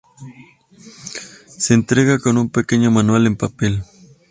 Se entrega con un pequeño manual en papel.